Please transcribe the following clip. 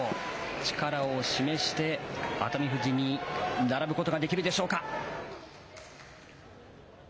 力を示して、熱海富士に並ぶことができるでしょうか。